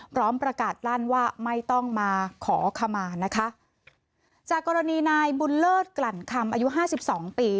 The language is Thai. พร้อมประกาศลั่นว่าไม่ต้องมาขอขมานะคะจากกรณีนายบุญเลิศกลั่นคำอายุห้าสิบสองปี